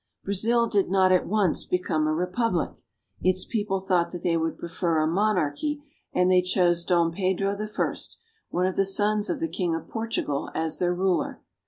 Brazil did not at once become a republic. Its people thought they would prefer a monarchy, and they chose Dom Pedro I., one of the sons of the King of Portugal, as their ruler.